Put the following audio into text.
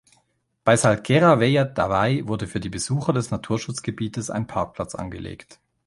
Bei "s’Alquera Vella d’Avall" wurde für die Besucher des Naturschutzgebietes ein Parkplatz angelegt.